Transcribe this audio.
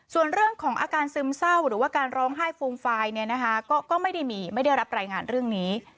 ส่วนเรื่องของอาการซึมเศร้าหรือว่าการร้องไห้ฟูมฟายเนี่ยนะคะก็ไม่ได้มีไม่ได้รับรายงานเรื่องนี้